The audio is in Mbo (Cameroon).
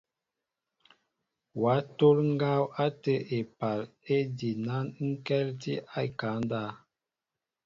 Wa tol ŋgaw ate épaal ejinaŋkɛltinɛ a ekaŋ ndáw.